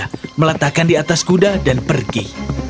dia meletakkan di atas kuda dan pergi